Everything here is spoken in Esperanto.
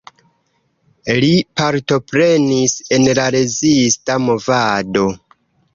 Li partoprenis en la rezista movado.